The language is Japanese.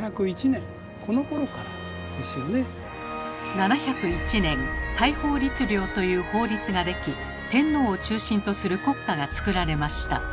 ７０１年大宝律令という法律ができ天皇を中心とする国家がつくられました。